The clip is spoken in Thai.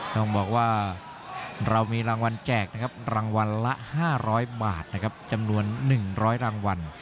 ต้องบอกว่าเรามีรางวัลแจกนะครับรางวัลละ๕๐๐บาทนะครับจำนวน๑๐๐รางวัล